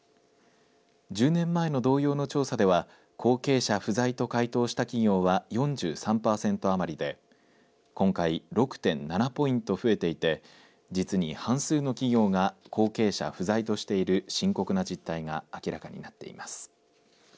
１０年前の同様の調査では後継者不在と回答した企業は４３％余りで今回、６．７ポイント増えていて実に半数の企業が後継者不在としている深刻な実態が明らかになっています。